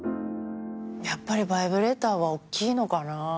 やっぱり『ヴァイブレータ』はおっきいのかな。